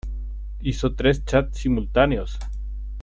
¡Hizo tres chats simultáneos!